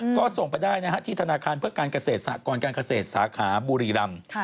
ก็ส่งไปได้ที่ธนาคารการเกษตรสาขาบุรีรำ